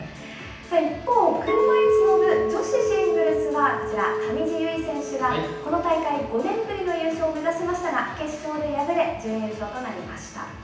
一方、車いすの部女子シングルスはこちら、上地結衣選手がこの大会５年ぶりの優勝を目指しましたが、決勝で敗れ、準優勝となりました。